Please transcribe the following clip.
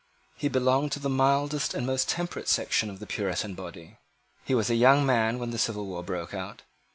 He belonged to the mildest and most temperate section of the Puritan body. He was a young man when the civil war broke out.